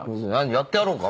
やってやろうか？